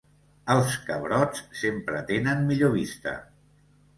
Els cabrots sempre tenen millor vista.